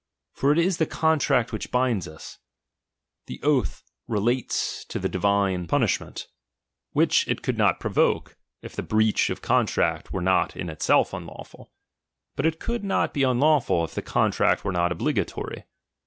For it is the contract "^^""^ which binds us ; the oath relates to the divine 28 I ishsd bat from punishment, which it could not provoke, if the breach of contract were not in itself unlawful ; but it could not be unlawful, if the contract were not obligatory.